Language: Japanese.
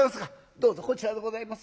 「どうぞこちらでございます。